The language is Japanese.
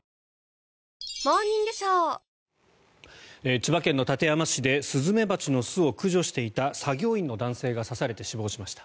千葉県館山市でスズメバチの巣を駆除していた作業員の男性が刺されて死亡しました。